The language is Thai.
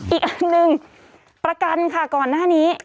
อีกอันหนึ่งประกันค่ะก่อนหน้านี้